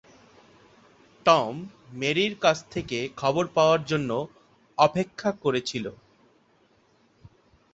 Tom মেরির কাছ থেকে খবর পাওয়ার জন্য অপেক্ষা করে ছিল।